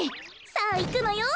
さあいくのよ。